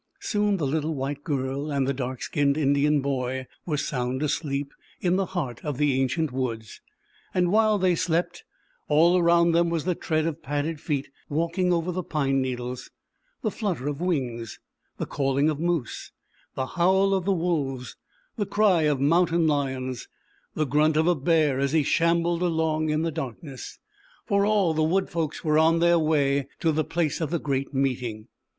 Soon the little white girl and dark skinned Indian boy were sound asleep in the heart of the Ancient Woods; and while they slept, all around them was the tread of padded feet walk ing over the pine needles, the flutter of wings, the calling of moose, the howl of wolves, the cry of mountain lions, the m runt of a bear as he shambled along in ZAUBERLINDA THE WISE WITCH. 215 the darkness, for all the Wood Folks were on their way to the place of the Great Meeting.